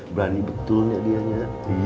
berani betulnya dianya